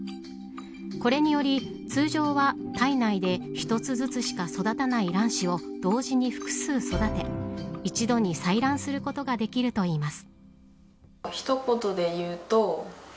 これにより、通常は体内で１つずつしか育たない卵子を同時に複数育て一度に採卵することができるといいます。